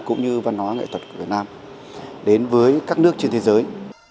cũng như văn hóa nghệ thuật của việt nam đến với các nước trên thế giới